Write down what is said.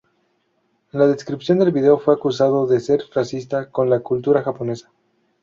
En la descripción del vídeo fue acusado de ser racista con la cultura japonesa.